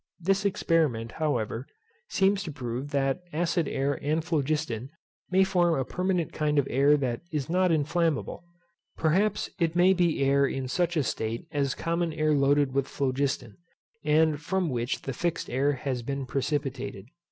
This experiment, however, seems to prove that acid air and phlogiston may form a permanent kind of air that is not inflammable. Perhaps it may be air in such a state as common air loaded with phlogiston, and from which the fixed air has been precipitated.